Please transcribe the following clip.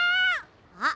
あっ